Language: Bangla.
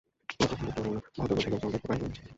এ পর্যন্ত করুণা ভদ্র পথিক একজনও দেখিতে পায় নাই।